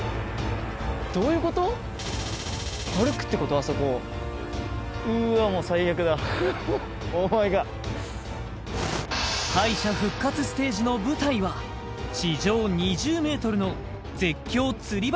あそこをうわっもう最悪だ敗者復活ステージの舞台は地上２０ｍの絶叫つり橋